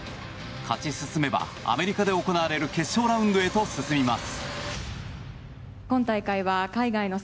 勝ち進めばアメリカで行われる決勝ラウンドへと進みます。